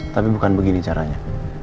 tapi bukan begini caranya